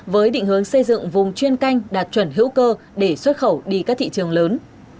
với định hướng xây dựng vùng chuyên canh đạt chuẩn hữu cơ để xuất khẩu đi các thị trường lớn